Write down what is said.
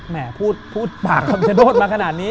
แม่พูดปากคำชโนธมาขนาดนี้